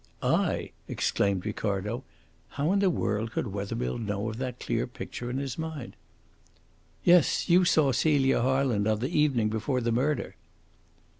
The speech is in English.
"I!" exclaimed Ricardo. How in the world could Wethermill know of that clear picture in his mind? "Yes. You saw Celia Harland on the evening before the murder."